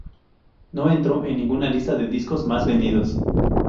No entró en ninguna lista de discos más vendidos.